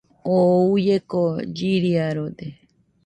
Oo uieko chiriarode.